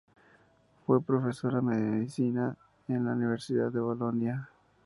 Fue Profesora de Medicina en la Universidad de Bolonia.